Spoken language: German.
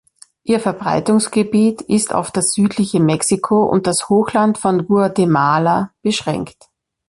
Ihr Verbreitungsgebiet ist auf das südliche Mexiko und das Hochland von Guatemala beschränkt.